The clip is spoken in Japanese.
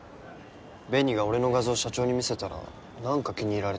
紅が俺の画像社長に見せたら何か気に入られて。